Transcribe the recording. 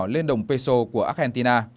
lên đồng peso của argentina